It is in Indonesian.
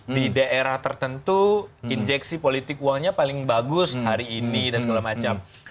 di daerah tertentu injeksi politik uangnya paling bagus hari ini dan segala macam